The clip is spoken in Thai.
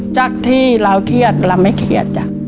จากที่เราเครียดเราไม่เครียดจ้ะ